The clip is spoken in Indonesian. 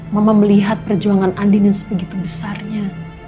mama melihat perjuangan andin yang sebegitu besarnya